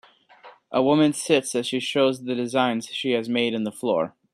A woman sits as she shows the designs she has made in the floor.